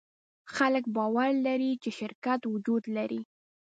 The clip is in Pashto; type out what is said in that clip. خلک باور لري، چې شرکت وجود لري.